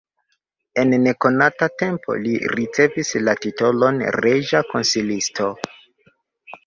En nekonata tempo li ricevis la titolon reĝa konsilisto.